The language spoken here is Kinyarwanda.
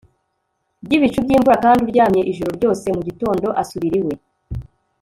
by'ibicu by'imvura kandi uryamye ijoro ryose. mu gitondo asubira iwe